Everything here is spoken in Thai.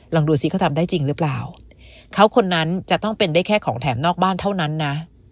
ลองดูซิเขาทำได้จริงหรือเปล่าเขาคนนั้นจะต้องเป็นได้แค่ของแถมนอกบ้านเท่านั้นนะ